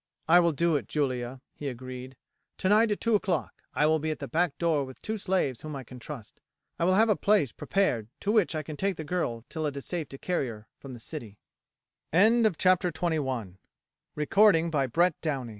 "I will do it, Julia," he agreed; "tonight at two o'clock I will be at the back door with two slaves whom I can trust. I will have a place prepared to which I can take the girl till it is safe to carry her from the city." CHAPTER XXII: THE LION Malchus was sleeping soundly that nigh